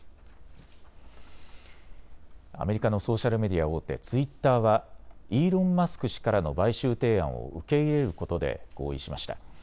アメリカのソーシャルメディア大手、ツイッターはイーロン・マスク氏からの買収提案を受け入れることで合意しました。